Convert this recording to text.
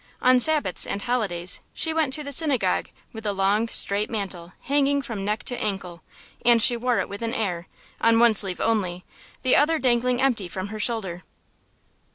On Sabbaths and holidays she went to the synagogue with a long, straight mantle hanging from neck to ankle; and she wore it with an air, on one sleeve only, the other dangling empty from her shoulder.